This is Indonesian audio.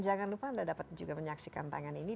jangan lupa anda dapat juga menyaksikan tangan ini